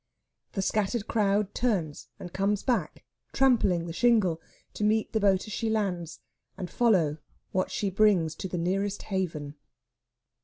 The scattered crowd turns and comes back, trampling the shingle, to meet the boat as she lands, and follow what she brings to the nearest haven.